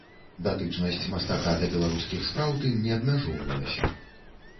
Датычнасць мастака да беларускіх спраў тым не абмяжоўвалася.